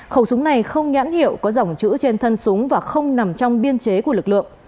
khẩu súng này không nhãn hiệu có dòng chữ trên thân súng và không nằm trong biên chế của lực lượng